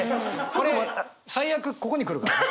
これ最悪ここに来るからね。